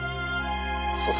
「そうだ。